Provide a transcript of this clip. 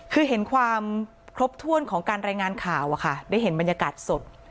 คือเห็นความครบถ้วนของการรายงานข่าวอะค่ะได้เห็นบรรยากาศสด